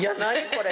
これ。